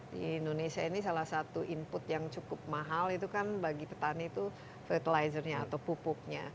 di indonesia ini salah satu input yang cukup mahal itu kan bagi petani itu fertilizer nya atau pupuknya